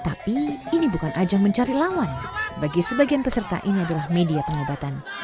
tapi ini bukan ajang mencari lawan bagi sebagian peserta ini adalah media pengobatan